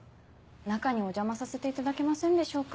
中にお邪魔させていただけませんでしょうか？